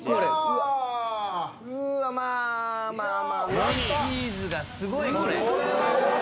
うわまあまあチーズがすごいこれ。